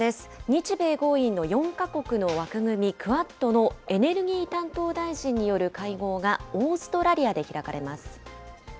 日米豪印の４か国の枠組み、クアッドのエネルギー担当大臣による会合が、オーストラリアで開かれます。